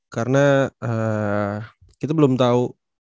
karena kita belum tahu